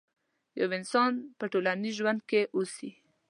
يو انسان په ټولنيز ژوند کې اوسي.